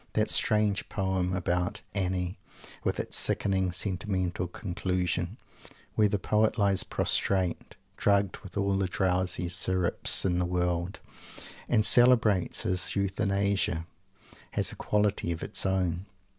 That strange poem about "Annie." with its sickeningly sentimental conclusion, where the poet lies prostrate, drugged with all the drowsy syrops in the world, and celebrates his euthanasia, has a quality of its own.